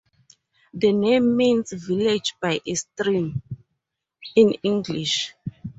The name means "village by a stream" in English.